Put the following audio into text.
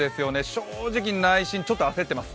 正直、内心ちょっと焦っています。